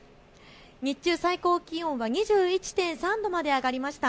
日中、最高気温は２１．３度まで上がりました。